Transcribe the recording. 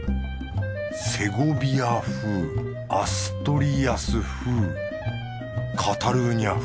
セゴビア風アストゥリアス風カタルーニャ風。